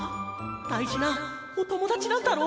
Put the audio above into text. だいじなおともだちなんだろ？